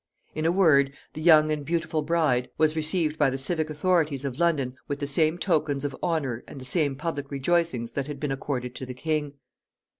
In a word, the young and beautiful bride was received by the civic authorities of London with the same tokens of honor and the same public rejoicings that had been accorded to the king.